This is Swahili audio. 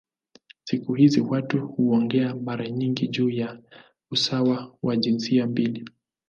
Siku hizi watu huongea mara nyingi juu ya usawa wa jinsia mbili.